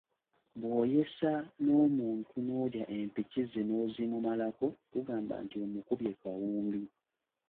Bw’oyesa n’omuntu n’olya empiki ze n’ozimumalako tugamba nti omukubye kawumbi.